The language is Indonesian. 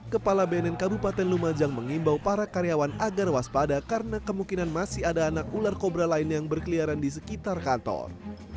kepala bnn kabupaten lumajang mengimbau para karyawan agar waspada karena kemungkinan masih ada anak ular kobra lain yang berkeliaran di sekitar kantor